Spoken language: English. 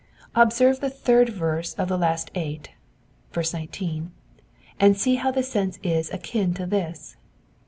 Observe the third verse of the last eight (19), and see how the sense is akin to this.